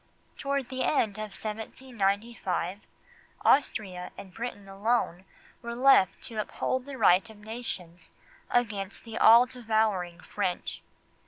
Toward the end of 1795, Austria and Britain alone were left to uphold the right of nations against the all devouring French.